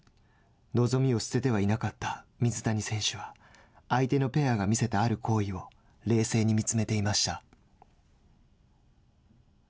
望みを捨ててはいなかった水谷選手は相手のペアが見せたある行為を冷静に見つめていました。